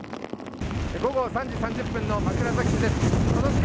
午後３時３０分の枕崎市です。